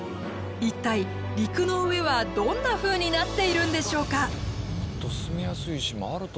一体陸の上はどんなふうになっているんでしょうか？